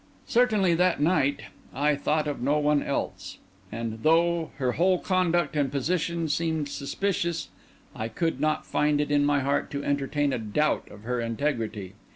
Certainly, that night, I thought of no one else; and, though her whole conduct and position seemed suspicious, I could not find it in my heart to entertain a doubt of her integrity.